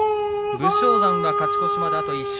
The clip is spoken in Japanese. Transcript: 武将山、勝ち越しまであと１勝。